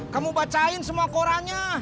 kamu bacain semua korannya